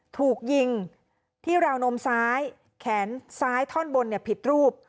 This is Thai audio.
ถูกยิงที่ราวนมซ้ายแขนซ้ายท่อนบนผิดรูป